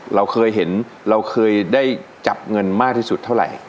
เราเคยเห็นเราเคยได้จับเงินมากที่สุดเท่าไหร่